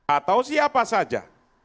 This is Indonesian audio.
atau siapa saja